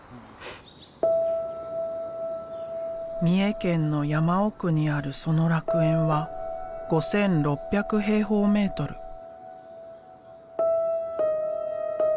三重県の山奥にあるその楽園は５，６００平方メートル。